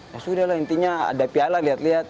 ya sudah lah intinya ada piala lihat lihat